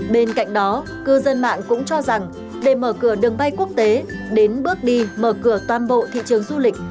bên cạnh đó cư dân mạng cũng cho rằng để mở cửa đường bay quốc tế đến bước đi mở cửa toàn bộ thị trường du lịch